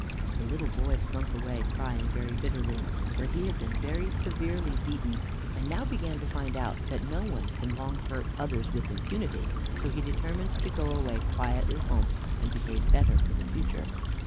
The little boy slunk away crying very bitterly, for he had been very severely beaten, and now began to find out that no one can long hurt others with impunity; so he determined to go away quietly home, and behave better for the future.